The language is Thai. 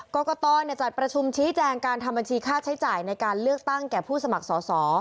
กรกตจัดประชุมชี้แจงการทำบัญชีค่าใช้จ่ายในการเลือกตั้งแก่ผู้สมัครสอสอ